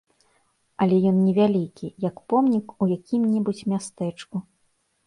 Але ён невялікі, як помнік у якім-небудзь мястэчку.